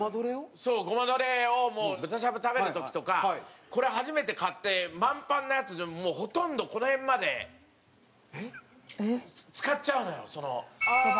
ごまドレを豚しゃぶ食べた時とかこれ初めて買って満杯なやつでもほとんどこの辺まで使っちゃうのよ。